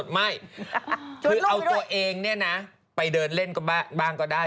ไม่คือเอาตัวเองไปเดินเล่นบ้างก็ได้